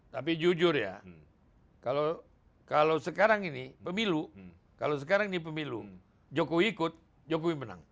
tapi jujur ya kalau sekarang ini pemilu kalau sekarang ini pemilu jokowi ikut jokowi menang